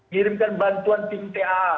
dirimkan bantuan tim ta